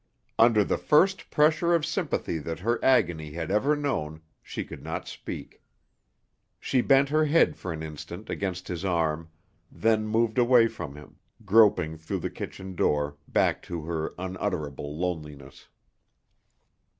Under the first pressure of sympathy that her agony had ever known, she could not speak. She bent her head for an instant against his arm, then moved away from him, groping through the kitchen door, back to her unutterable loneliness.